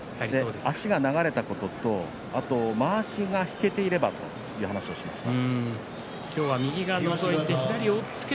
足が流れたこととまわしが引けていればという話をしていました。